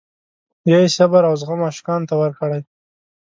یا یې صبر او زغم عاشقانو ته ورکړی.